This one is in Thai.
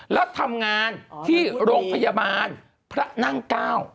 แล้วทำงานที่โรงพยาบาลพระนั่งเก้า